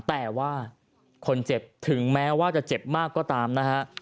แต่ว่าคนเจ็บถึงแม้ว่าจะเจ็บมากก็ตามนะฮะ